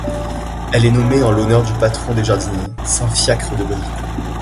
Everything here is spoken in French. Elle est nommée en l'honneur du patron des jardiniers, saint Fiacre de Brie.